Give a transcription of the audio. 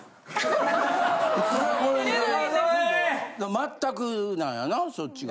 全くなんやなそっちが。